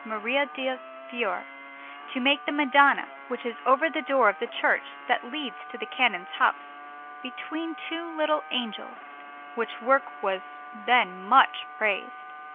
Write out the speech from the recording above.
Maria del Fiore to make the Madonna which is over that door of the church that leads to the Canon's house, between two little angels; which work was then much praised.